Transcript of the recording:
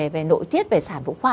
về nội tiết về sản phụ khoa